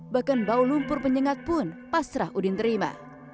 bahkan bau lumpur penyengat pun pasrah udin terima